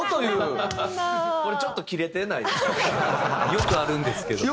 「よくあるんですけど」って。